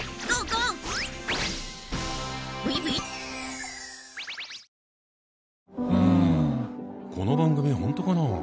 この番組本当かな？